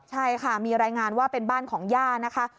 ใช่ค่ะมีรายงานว่าเป็นบ้านของย่านะคะ